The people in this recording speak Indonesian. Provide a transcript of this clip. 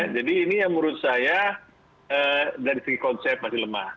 jadi ini yang menurut saya dari segi konsep masih lemah